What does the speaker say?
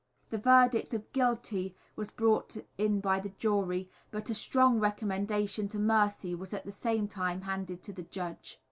The verdict of "Guilty" was brought in by the jury, but a strong recommendation to mercy was at the same time handed to the judge.